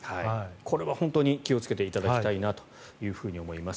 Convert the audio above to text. これは本当に気をつけていただきたいなと思います。